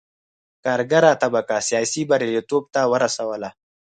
کارګره طبقه سیاسي بریالیتوب ته ورسوله.